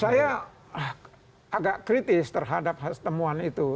saya agak kritis terhadap temuan itu